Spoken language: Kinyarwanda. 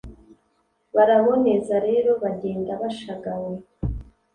Baraboneza rero bagenda bashagawe